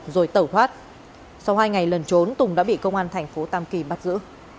rồi tẩu thoát sau hai ngày lần trốn tùng đã bị công an thành phố tam kỳ bắt giữ